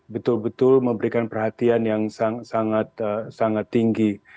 betul betul memberikan perhatian yang sangat sangat tinggi